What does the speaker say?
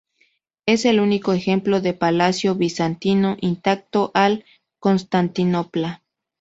Es el único ejemplo de palacio bizantino intacto de Constantinopla.